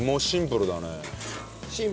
シンプルだね。